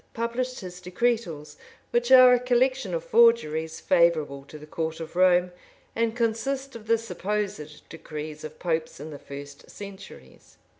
published his decretals,[*] which are a collection of forgeries favorable to the court of Rome, and consist of the supposed decrees of popes in the first centuries.